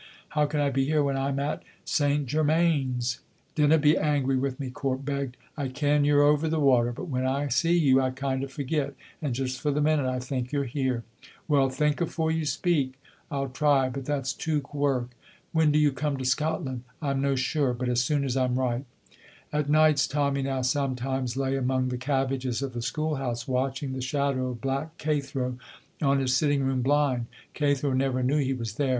How can I be here when I'm at St. Germains?" "Dinna be angry wi' me," Corp begged. "I ken you're ower the water, but when I see you, I kind of forget; and just for the minute I think you're here." "Well, think afore you speak." "I'll try, but that's teuch work. When do you come to Scotland?" "I'm no sure; but as soon as I'm ripe." At nights Tommy now sometimes lay among the cabbages of the school house watching the shadow of Black Cathro on his sitting room blind. Cathro never knew he was there.